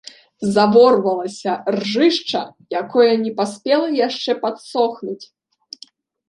Заворвалася ржышча, якое не паспела яшчэ падсохнуць.